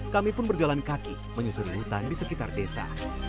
kami pun berjalan kaki menyusuri hutan di sekitar desa